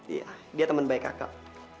iya dia teman baik kakak